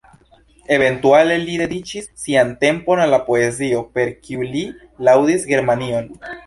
Eventuale li dediĉis sian tempon al la poezio, per kiu li laŭdis Germanion.